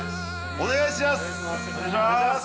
お願いします！